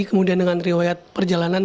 kemudian dengan riwayat perjalanan